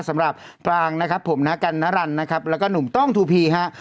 ปรางนะครับผมนากันนรันนะครับแล้วก็หนุ่มต้องทูพีฮะ